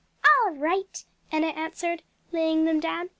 "All right!" Enna answered, laying them down.